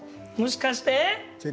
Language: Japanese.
もしかして？